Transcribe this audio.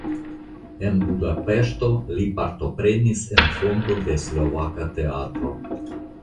En Budapeŝto li partoprenis en fondo de slovaka teatro.